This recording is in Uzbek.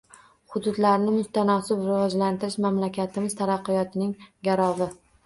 Hududlarni mutanosib rivojlantirish - mamlakatimiz taraqqiyotining garovi.